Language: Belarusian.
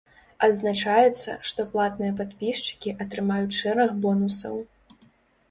Адзначаецца, што платныя падпісчыкі атрымаюць шэраг бонусаў.